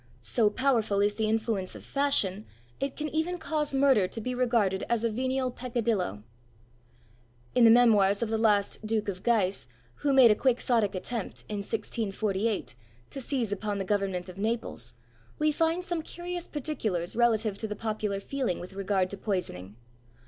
So powerful is the influence of fashion, it can even cause murder to be regarded as a venial peccadillo. In the memoirs of the last Duke of Guise, who made a Quixotic attempt, in 1648, to seize upon the government of Naples, we find some curious particulars relative to the popular feeling with regard to poisoning.